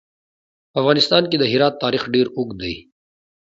په افغانستان کې د هرات تاریخ ډېر اوږد دی.